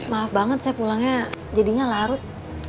maaf banget saya pulangnya jadinya larut